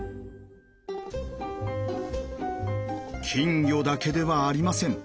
金魚だけではありません。